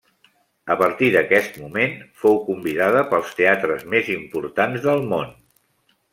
A partir d'aquest moment, fou convidada pels teatres més importants del món.